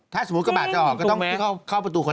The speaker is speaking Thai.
ถ้าสมมุติกระบาดจะออกก็ต้องเข้าประตูคน